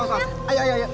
biar kakaknya bantu awas